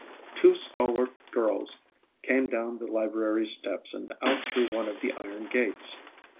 Two stalwart girls came down the library steps and out through one of the iron gates.